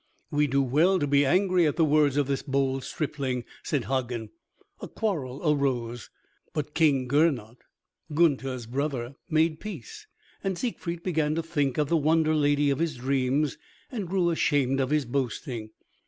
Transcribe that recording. "We do well to be angry at the words of this bold stripling," said Hagen. A quarrel arose, but King Gernot, Gunther's brother, made peace and Siegfried began to think of the wonderlady of his dreams and grew ashamed of his boasting.